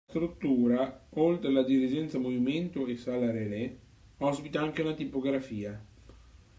La struttura, oltre la dirigenza movimento e Sala relè, ospita anche una tipografia.